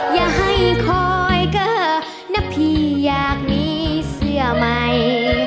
อย่าให้คอยเก้อนะพี่อยากมีเสื้อใหม่